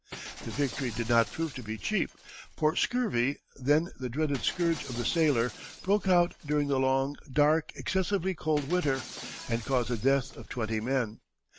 The victory did not prove to be cheap, for scurvy, then the dreaded scourge of the sailor, broke out during the long, dark, excessively cold winter, and caused the death of twenty men.